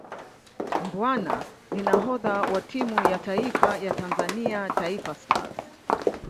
Mbwana ni nahodha wa timu ya taifa ya Tanzania Taifa Stars